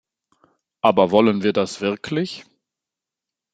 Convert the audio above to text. Aber wollen wir das wirklich?